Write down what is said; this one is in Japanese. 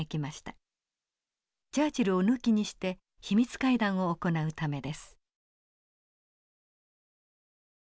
チャーチルを抜きにして秘密会談を行うためです。